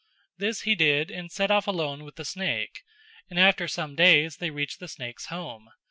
This he did and set off alone with the snake, and after some days they reached the snake's home.